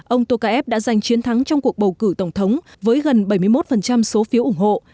ông tokayev đã giành chiến thắng trong cuộc bầu cử tổng thống với gần bảy mươi một số phiếu ủng hộ